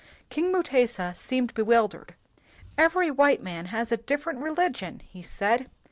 King Mutesa seemed bewildered. '' Every white man has a different religion," he said.